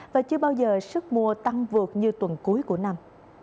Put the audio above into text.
và chưa bao giờ sức mua tăng vượt như tuần cuối của năm